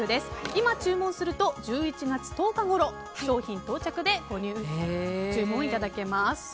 今注文すると１１月１０日ごろ商品到着でご注文いただけます。